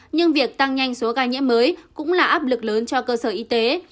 nhưng việc tăng nhanh số ca nhiễm mới cũng là áp lực lớn cho cơ sở y tế